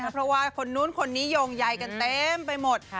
เพราะว่าคนนู้นคนนี้โยงใยกันเต็มไปหมด